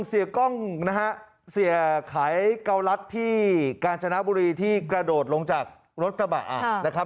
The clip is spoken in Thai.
เสียกล้องเสียไขเกาลัดที่การชนะบุรีที่กระโดดลงจากรถกระบะ